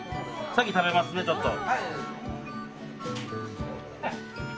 先食べますねちょっと。